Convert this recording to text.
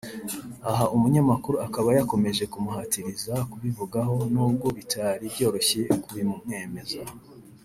Aha Umunyamakuru akaba yakomeje kumuhatiriza kubivugaho…nubwo bitari byoroshye kubimwemeza